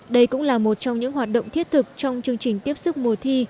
đây cũng là một trong những hoạt động thiết thực trong chương trình tiếp sức mùa thi